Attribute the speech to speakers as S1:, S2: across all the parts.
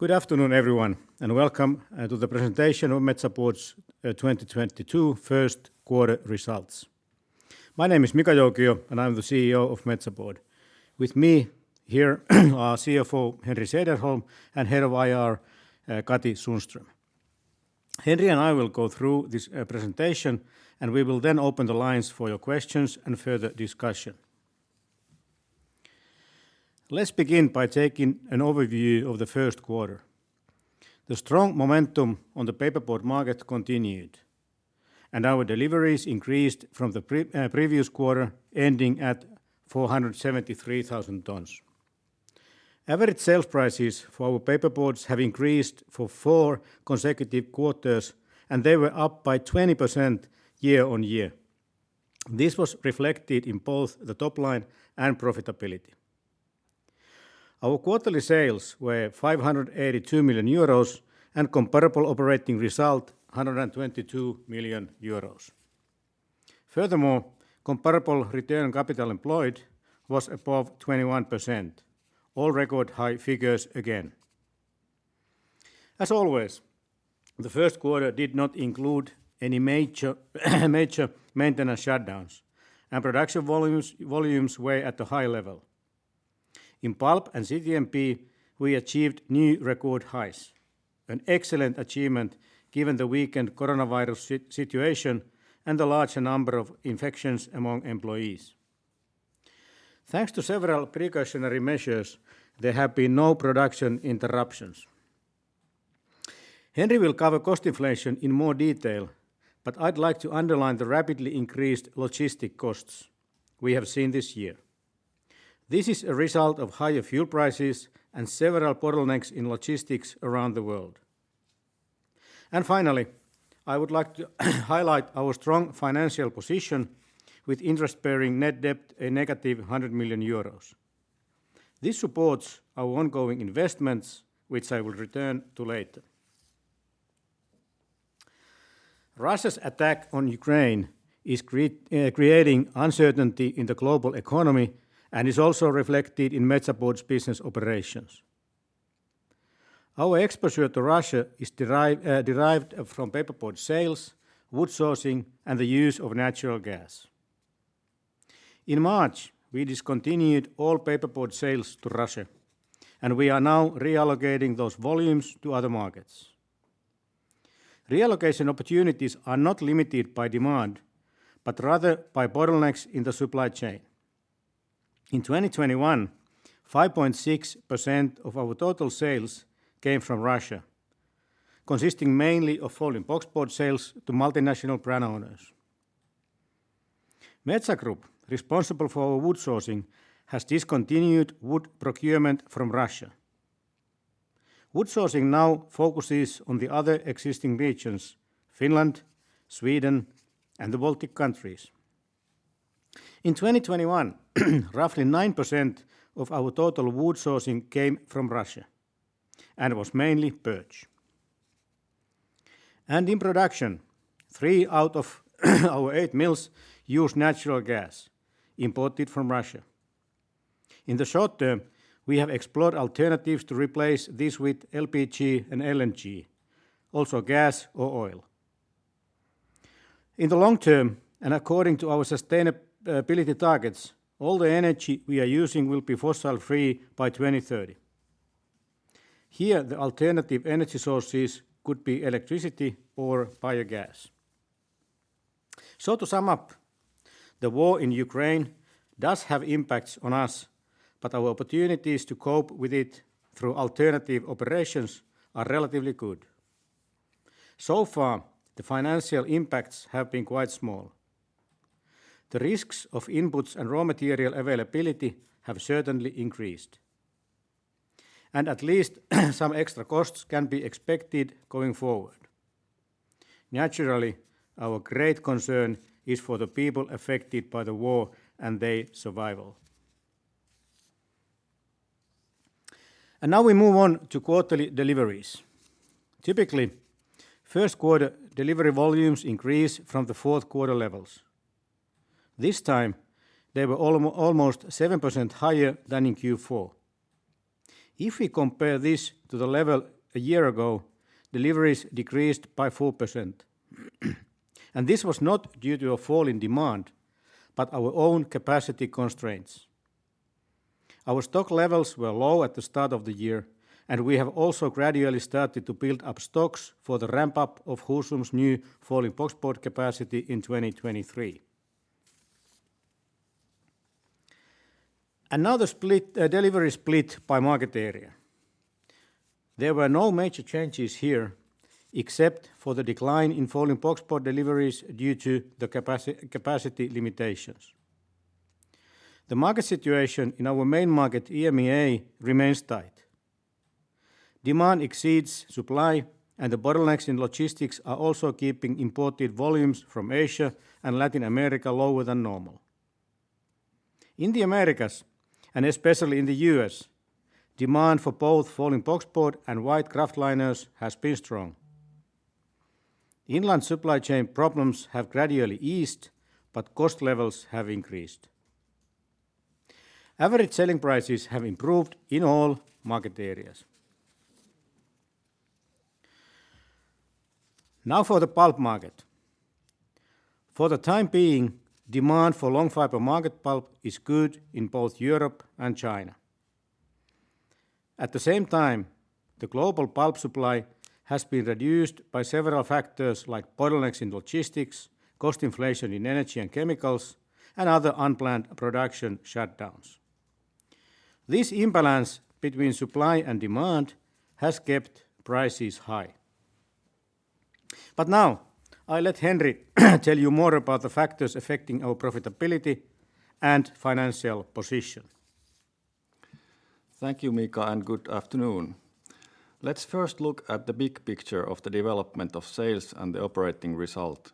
S1: Good afternoon, everyone, and welcome to the presentation of Metsä Board's 2022 Q1 results. My name is Mika Joukio, and I'm the CEO of Metsä Board. With me here are CFO Henri Sederholm and Head of IR, Katri Sundström. Henri and I will go through this presentation, and we will then open the lines for your questions and further discussion. Let's begin by taking an overview of the first quarter. The strong momentum on the paperboard market continued, and our deliveries increased from the previous quarter, ending at 473,000 tons. Average sales prices for our paperboards have increased for four consecutive quarters, and they were up by 20% year-on-year. This was reflected in both the top line and profitability. Our quarterly sales were 582 million euros and comparable operating result 122 million euros. Furthermore, comparable return on capital employed was above 21%, all record high figures again. As always, the Q1 did not include any major maintenance shutdowns, and production volumes were at a high level. In pulp and CTMP, we achieved new record highs, an excellent achievement given the weakened coronavirus situation and the larger number of infections among employees. Thanks to several precautionary measures, there have been no production interruptions. Henri will cover cost inflation in more detail, but I'd like to underline the rapidly increased logistics costs we have seen this year. This is a result of higher fuel prices and several bottlenecks in logistics around the world. Finally, I would like to highlight our strong financial position with interest bearing net debt negative 100 million euros. This supports our ongoing investments, which I will return to later. Russia's attack on Ukraine is creating uncertainty in the global economy and is also reflected in Metsä Board's business operations. Our exposure to Russia is derived from paperboard sales, wood sourcing, and the use of natural gas. In March, we discontinued all paperboard sales to Russia, and we are now reallocating those volumes to other markets. Reallocation opportunities are not limited by demand but rather by bottlenecks in the supply chain. In 2021, 5.6% of our total sales came from Russia, consisting mainly of folding boxboard sales to multinational brand owners. Metsä Group, responsible for our wood sourcing, has discontinued wood procurement from Russia. Wood sourcing now focuses on the other existing regions, Finland, Sweden, and the Baltic countries. In 2021, roughly 9% of our total wood sourcing came from Russia and was mainly birch. In production, three out of our eight mills use natural gas imported from Russia. In the short term, we have explored alternatives to replace this with LPG and LNG, also gas or oil. In the long term, and according to our sustainability targets, all the energy we are using will be fossil-free by 2030. Here, the alternative energy sources could be electricity or biogas. To sum up, the war in Ukraine does have impacts on us, but our opportunities to cope with it through alternative operations are relatively good. So far, the financial impacts have been quite small. The risks of inputs and raw material availability have certainly increased, and at least some extra costs can be expected going forward. Naturally, our great concern is for the people affected by the war and their survival. Now we move on to quarterly deliveries. Typically, Q1 delivery volumes increase from the Q4 levels. This time, they were almost 7% higher than in Q4. If we compare this to the level a year ago, deliveries decreased by 4%. This was not due to a fall in demand but our own capacity constraints. Our stock levels were low at the start of the year, and we have also gradually started to build up stocks for the ramp-up of Husum's new folding boxboard capacity in 2023. Now the split, delivery split by market area. There were no major changes here except for the decline in folding boxboard deliveries due to the capacity limitations. The market situation in our main market, EMEA, remains tight. Demand exceeds supply, and the bottlenecks in logistics are also keeping imported volumes from Asia and Latin America lower than normal. In the Americas, and especially in the US, demand for both folding boxboard and white kraftliners has been strong. Inland supply chain problems have gradually eased, but cost levels have increased. Average selling prices have improved in all market areas. Now for the pulp market. For the time being, demand for long fiber market pulp is good in both Europe and China. At the same time, the global pulp supply has been reduced by several factors like bottlenecks in logistics, cost inflation in energy and chemicals, and other unplanned production shutdowns. This imbalance between supply and demand has kept prices high. Now I let Henri tell you more about the factors affecting our profitability and financial position.
S2: Thank you, Mika, and good afternoon. Let's first look at the big picture of the development of sales and the operating result.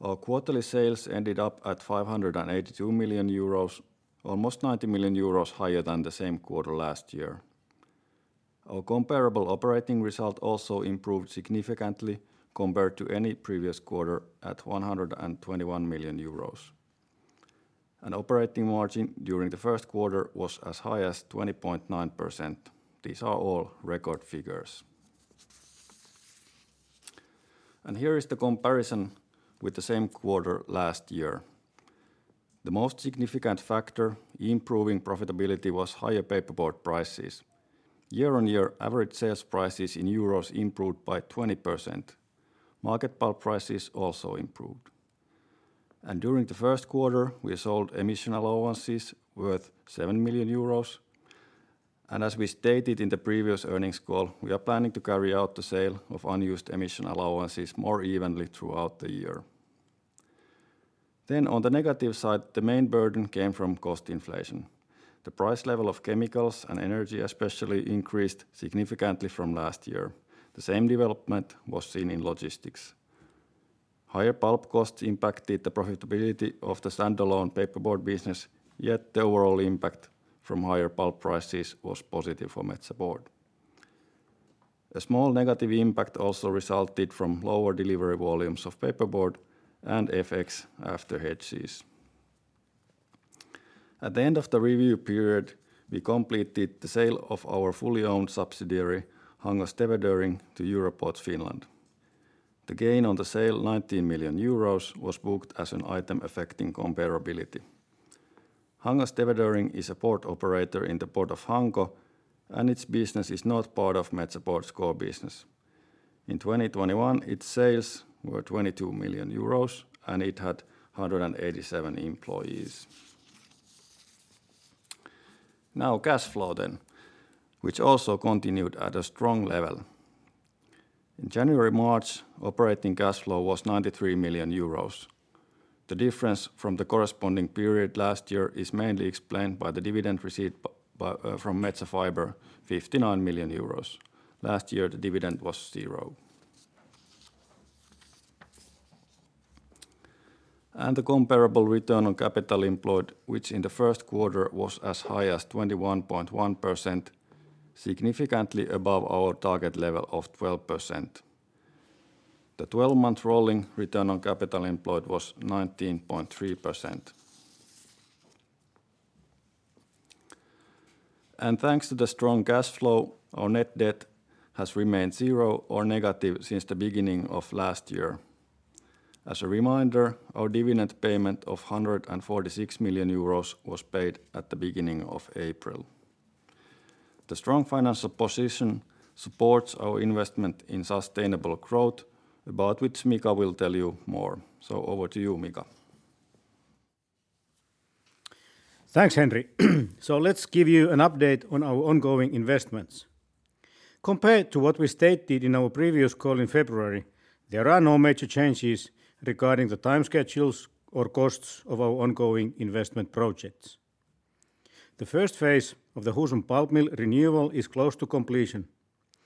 S2: Our quarterly sales ended up at 582 million euros, almost 90 million euros higher than the same quarter last year. Our comparable operating result also improved significantly compared to any previous quarter at 121 million euros. Operating margin during the Q1 was as high as 20.9%. These are all record figures. Here is the comparison with the same quarter last year. The most significant factor improving profitability was higher paperboard prices. Year-on-year average sales prices in euros improved by 20%. Market pulp prices also improved. During the Q1, we sold emissions allowances worth 7 million euros. As we stated in the previous earnings call, we are planning to carry out the sale of unused emissions allowances more evenly throughout the year. On the negative side, the main burden came from cost inflation. The price level of chemicals and energy especially increased significantly from last year. The same development was seen in logistics. Higher pulp costs impacted the profitability of the standalone paperboard business, yet the overall impact from higher pulp prices was positive for Metsä Board. A small negative impact also resulted from lower delivery volumes of paperboard and FX after hedges. At the end of the review period, we completed the sale of our fully-owned subsidiary, Hangö Stevedoring, to Euroports Finland. The gain on the sale, 19 million euros, was booked as an item affecting comparability. Hangö Stevedoring is a port operator in the port of Hanko, and its business is not part of Metsä Board's core business. In 2021, its sales were 22 million euros, and it had 187 employees. Now cash flow then, which also continued at a strong level. In January, March, operating cash flow was 93 million euros. The difference from the corresponding period last year is mainly explained by the dividend receipt from Metsä Fibre, 59 million euros. Last year, the dividend was zero. The comparable return on capital employed, which in the Q1 was as high as 21.1%, significantly above our target level of 12%. The 12-month rolling return on capital employed was 19.3%. Thanks to the strong cash flow, our net debt has remained zero or negative since the beginning of last year. As a reminder, our dividend payment of 146 million euros was paid at the beginning of April. The strong financial position supports our investment in sustainable growth, about which Mika Joukio will tell you more. Over to you, Mika Joukio.
S1: Thanks, Henri. Let's give you an update on our ongoing investments. Compared to what we stated in our previous call in February, there are no major changes regarding the time schedules or costs of our ongoing investment projects. The first phase of the Husum pulp mill renewal is close to completion,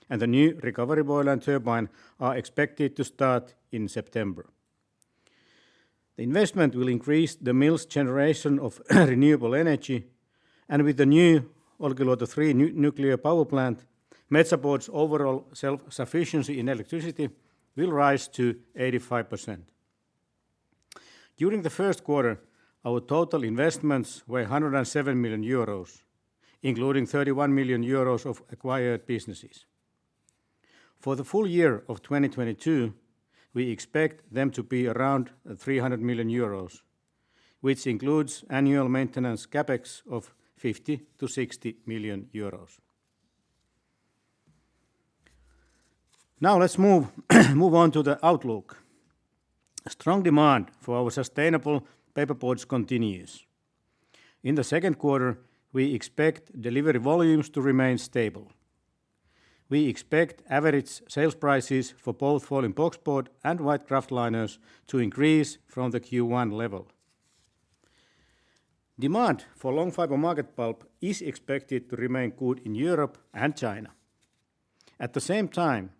S1: and the new recovery boiler and turbine are expected to start in September. The investment will increase the mill's generation of renewable energy, and with the new Olkiluoto three nuclear power plant, Metsä Board's overall self-sufficiency in electricity will rise to 85%. During the Q1, our total investments were 107 million euros, including 31 million euros of acquired businesses. For the full year of 2022, we expect them to be around 300 million euros, which includes annual maintenance CapEx of 50 million-60 million euros. Now let's move on to the outlook. A strong demand for our sustainable paperboards continues. In the Q2, we expect delivery volumes to remain stable. We expect average sales prices for both folding boxboard and white kraftliners to increase from the Q1 level. Demand for long fiber market pulp is expected to remain good in Europe and China. At the same time,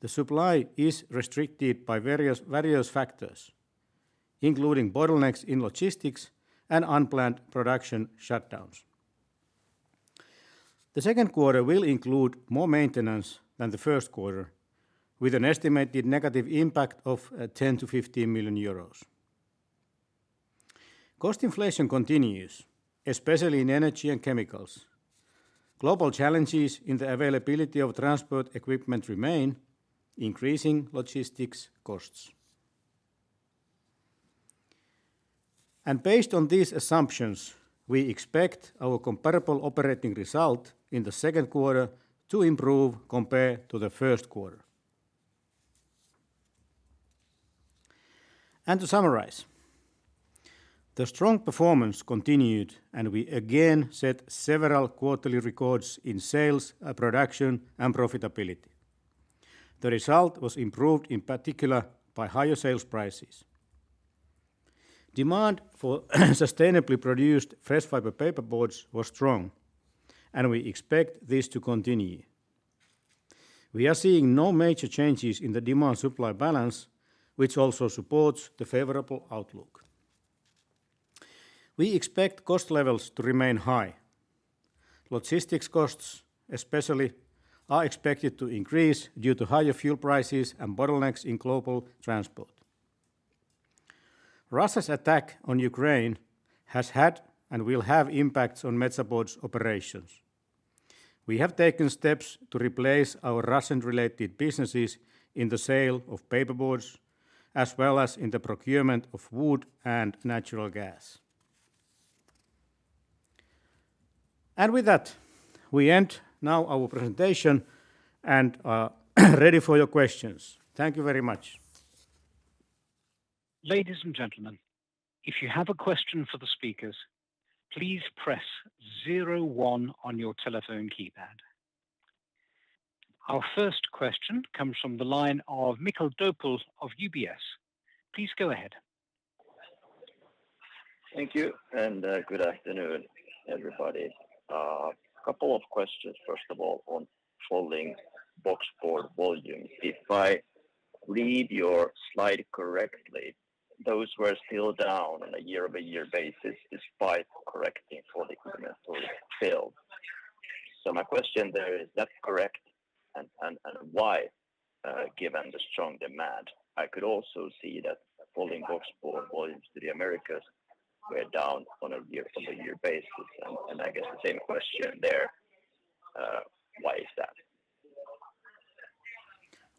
S1: the supply is restricted by various factors, including bottlenecks in logistics and unplanned production shutdowns. The Q2 will include more maintenance than the Q1, with an estimated negative impact of 10 million-15 million euros. Cost inflation continues, especially in energy and chemicals. Global challenges in the availability of transport equipment remain, increasing logistics costs. Based on these assumptions, we expect our comparable operating result in the Q2 to improve compared to the Q1. To summarize, the strong performance continued, and we again set several quarterly records in sales, production, and profitability. The result was improved in particular by higher sales prices. Demand for sustainably produced fresh fiber paperboards was strong, and we expect this to continue. We are seeing no major changes in the demand-supply balance, which also supports the favorable outlook. We expect cost levels to remain high. Logistics costs especially are expected to increase due to higher fuel prices and bottlenecks in global transport. Russia's attack on Ukraine has had and will have impacts on Metsä Board's operations. We have taken steps to replace our Russian-related businesses in the sale of paperboards, as well as in the procurement of wood and natural gas. With that, we end now our presentation and are ready for your questions. Thank you very much.
S3: Ladies and gentlemen, if you have a question for the speakers, please press zero one on your telephone keypad. Our first question comes from the line of Mikael Doepel of UBS. Please go ahead.
S4: Thank you, and good afternoon, everybody. Couple of questions, first of all, on folding boxboard volumes. If I read your slide correctly, those were still down on a year-over-year basis despite correcting for the equipment failure. My question there, is that correct? And why, given the strong demand? I could also see that folding boxboard volumes to the Americas were down on a year-over-year basis, and I guess the same question there, why is that?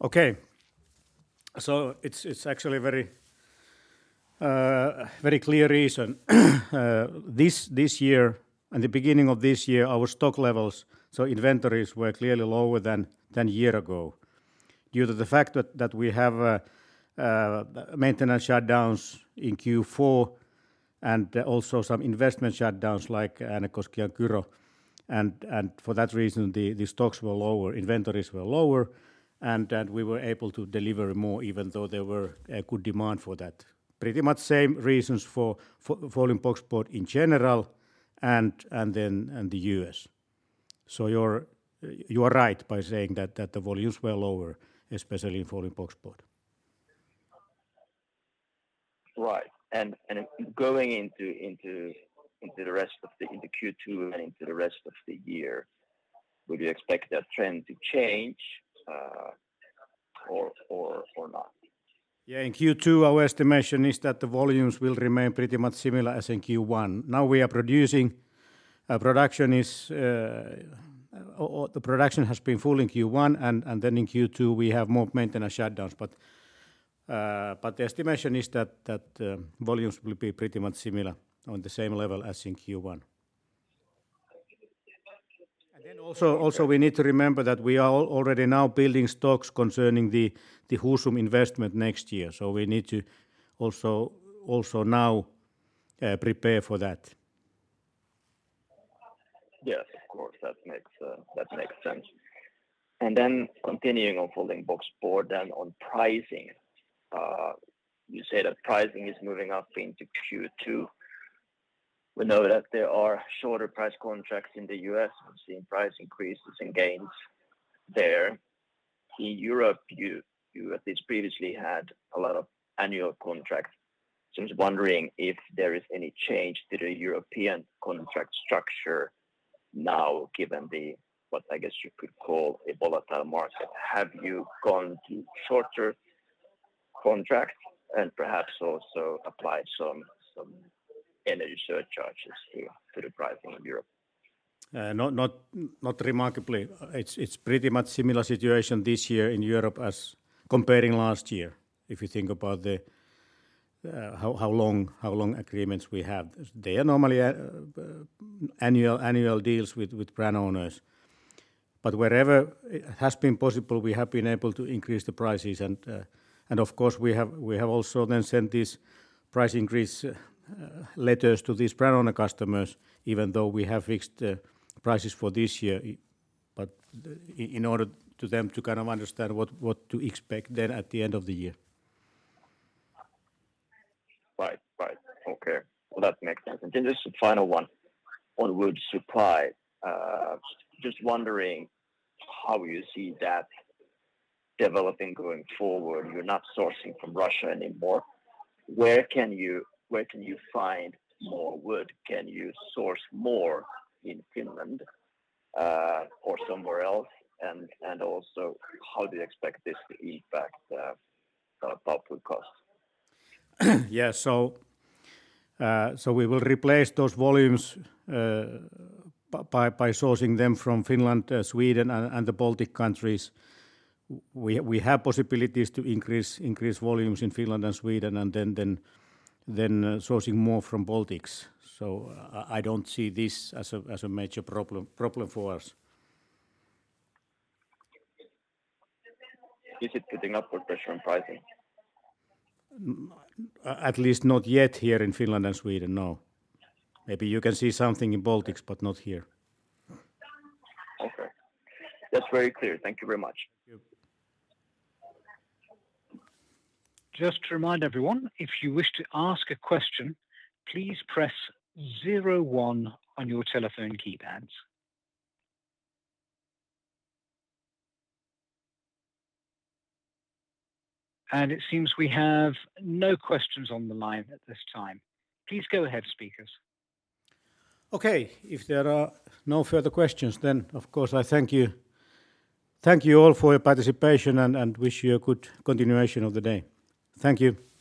S1: Okay. It's actually a very clear reason. This year, in the beginning of this year, our stock levels, so inventories, were clearly lower than a year ago due to the fact that we have maintenance shutdowns in Q4 and also some investment shutdowns like Äänekoski and Kyro. For that reason, the stocks were lower, inventories were lower, and then we were able to deliver more even though there were a good demand for that. Pretty much same reasons for folding boxboard in general and then in the US. You're you are right by saying that the volumes were lower, especially in folding boxboard.
S4: Right. Going into Q2 and into the rest of the year, would you expect that trend to change, or not?
S1: Yeah, in Q2, our estimation is that the volumes will remain pretty much similar as in Q1. Our production has been full in Q1, and then in Q2, we have more maintenance shutdowns. But the estimation is that volumes will be pretty much similar on the same level as in Q1. Then also we need to remember that we are already now building stocks concerning the Husum investment next year, so we need to also now prepare for that.
S4: Yes, of course, that makes sense. Continuing on folding boxboard, on pricing, you say that pricing is moving up into Q2. We know that there are shorter price contracts in the U.S. We've seen price increases and gains there. In Europe, you at least previously had a lot of annual contracts. I'm just wondering if there is any change to the European contract structure now, given the, what I guess you could call a volatile market. Have you gone to shorter contracts and perhaps also applied some energy surcharges here to the pricing in Europe?
S1: Not remarkably. It's pretty much similar situation this year in Europe compared to last year, if you think about how long agreements we have. They are normally annual deals with brand owners. Wherever it has been possible, we have been able to increase the prices, and of course we have also then sent these price increase letters to these brand owner customers, even though we have fixed prices for this year, but in order for them to kind of understand what to expect then at the end of the year.
S4: Right. Right. Okay. Well, that makes sense. Just a final one on wood supply. Just wondering how you see that developing going forward. You're not sourcing from Russia anymore. Where can you find more wood? Can you source more in Finland, or somewhere else? Also how do you expect this to impact pulpwood costs?
S1: We will replace those volumes by sourcing them from Finland, Sweden, and the Baltic countries. We have possibilities to increase volumes in Finland and Sweden and then sourcing more from Baltics. I don't see this as a major problem for us.
S4: Is it putting upward pressure on pricing?
S1: At least not yet here in Finland and Sweden, no. Maybe you can see something in Baltics, but not here.
S4: Okay. That's very clear. Thank you very much.
S1: Thank you.
S3: Just to remind everyone, if you wish to ask a question, please press zero one on your telephone keypads. It seems we have no questions on the line at this time. Please go ahead, speakers.
S1: Okay. If there are no further questions, then of course I thank you all for your participation and wish you a good continuation of the day. Thank you.